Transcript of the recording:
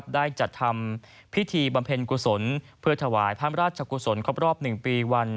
ได้จัดทำพิธีบำเพ็ญกุศลเพื่อถวายพระราชกุศลครบรอบ๑ปีวัน